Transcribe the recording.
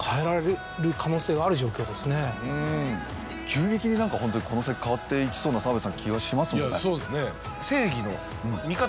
急激にホントにこの先変わっていきそうな気がしますもんね。